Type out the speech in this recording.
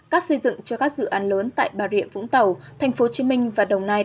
cát xây dựng cho các dự án lớn tại bà rịa vũng tàu tp hcm và đồng nai